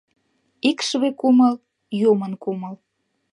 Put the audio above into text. Икшыве кумыл — юмын кумыл.